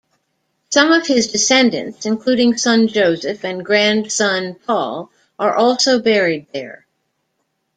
Some of his descendants, including son Joseph and grandson Paul, are also buried there.